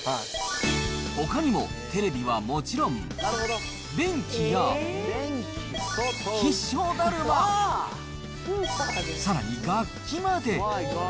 ほかにもテレビはもちろん、便器や、必勝だるま、さらに楽器まで。